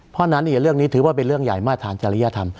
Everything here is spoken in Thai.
เพราะฉะนั้นเรื่องนี้ถือว่าเป็นเรื่องใหญ่มาตรฐานจริยธรรม